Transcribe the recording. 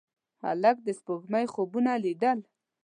هلک د سپوږمۍ خوبونه لیدل.